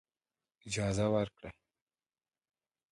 اجازه ورکړي.